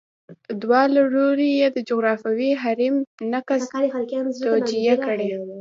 دواړه لوري یې د جغرافیوي حریم نقض توجیه کړي.